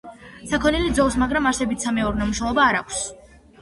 საქონელი ძოვს, მაგრამ არსებითი სამეურნეო მნიშვნელობა არ აქვს.